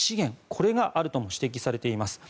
これがあると指摘されています。